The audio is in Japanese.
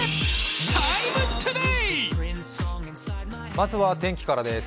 まずは天気からです。